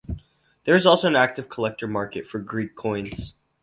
There is also an active collector market for Greek coins.